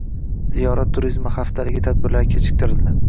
“Ziyorat turizmi haftaligi” tadbirlari kechiktirildi